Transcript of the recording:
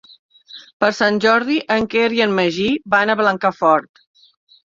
Per Sant Jordi en Quer i en Magí van a Blancafort.